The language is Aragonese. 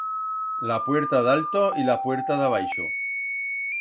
La puerta d'alto y la puerta d'abaixo.